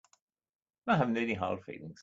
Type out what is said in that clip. I haven't any hard feelings.